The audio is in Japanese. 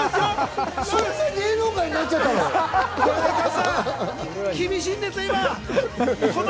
そういう芸能界になっちゃったの？